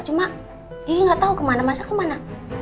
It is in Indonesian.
cuma kiki gak tau kemana mas al kemana